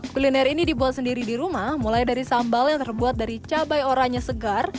kuliner ini dibuat sendiri di rumah mulai dari sambal yang terbuat dari cabai oranye segar